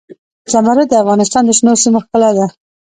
زمرد د افغانستان د شنو سیمو ښکلا ده.